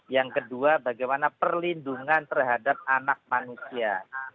yang kedua bagaimana perlindungan terhadap anak manusia